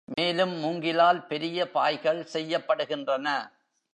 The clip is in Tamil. மேலும் மூங்கிலால் பெரிய பாய்கள் செய்யப்படுகின்றன.